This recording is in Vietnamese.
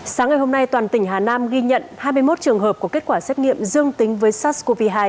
sáng ngày hôm nay toàn tỉnh hà nam ghi nhận hai mươi một trường hợp có kết quả xét nghiệm dương tính với sars cov hai